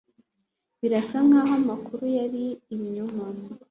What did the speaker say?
Birasa nkaho amakuru yari ibinyoma